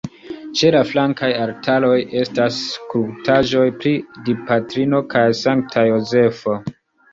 Ĉe la flankaj altaroj estas skulptaĵoj pri Dipatrino kaj Sankta Jozefo.